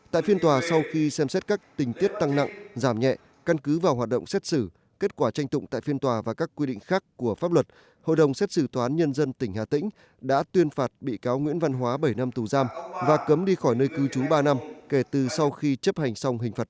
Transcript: tại phiên tòa sau khi xem xét các tình tiết tăng nặng giảm nhẹ căn cứ vào hoạt động xét xử kết quả tranh tụng tại phiên tòa và các quy định khác của pháp luật hội đồng xét xử tòa án nhân dân tỉnh hà tĩnh đã tuyên phạt bị cáo nguyễn văn hóa bảy năm tù giam và cấm đi khỏi nơi cư trú ba năm kể từ sau khi chấp hành xong hình phạt